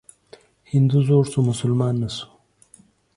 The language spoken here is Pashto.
هندو زوړ سو ، مسلمان نه سو.